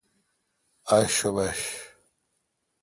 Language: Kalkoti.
ااشوبش